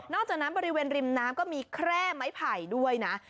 จากนั้นบริเวณริมน้ำก็มีแคร่ไม้ไผ่ด้วยนะ